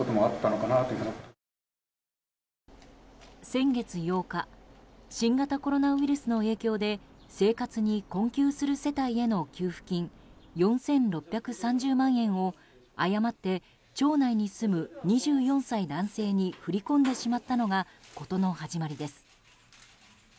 先月８日新型コロナウイルスの影響で生活に困窮する世帯への給付金４６３０万円を誤って町内に住む２４歳男性に振り込んでしまったのが事の始まりです。